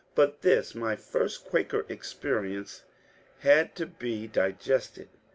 But this my first Quaker experience had to be digested.